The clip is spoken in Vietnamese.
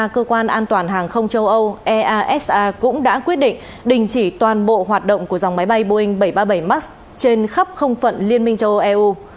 cơ quan an toàn hàng không châu âu easa cũng đã quyết định đình chỉ toàn bộ hoạt động của dòng máy bay boeing bảy trăm ba mươi bảy max trên khắp không phận liên minh châu âu eu